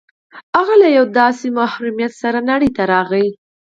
هغه له یوه داسې محرومیت سره نړۍ ته راغی